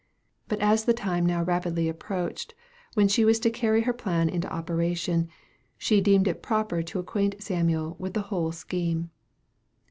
But as the time now rapidly approached when she was to carry her plan into operation, she deemed it proper to acquaint Samuel with the whole scheme.